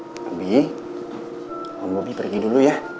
tapi om bobi pergi dulu ya